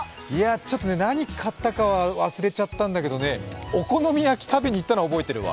ちょっとね、何買ったかは忘れちゃったんだけどお好み焼き食べに行ったのは分かってるわ。